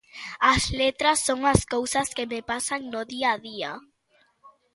As letras son as cousas que me pasan no día a día.